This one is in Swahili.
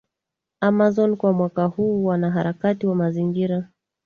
Amazon kwa mwaka huu Wanaharaki wa mazingira